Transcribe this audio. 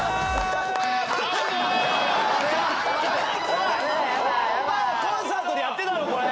お前コンサートでやってたろこれ！